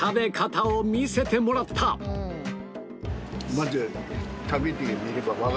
まず。